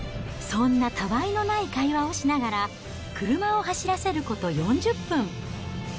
そんなたわいのない会話をしながら、車を走らせること４０分。